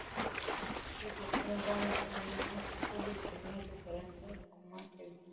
چې څوك له خپله ځانه دروندوي ټولې دنياته ددراندۀ ګومان كوينه